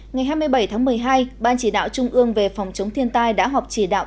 ngày hai mươi bảy tháng một mươi hai ban chỉ đạo trung ương về phòng chống thiên tai đã họp chỉ đạo